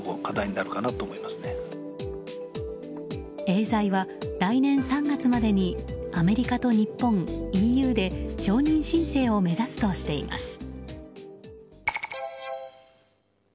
エーザイは来年３月までにアメリカと日本、ＥＵで承認申請を目指すとしています。